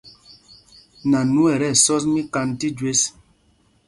Nanu ɛ tí ɛsɔs míkand tí jüés.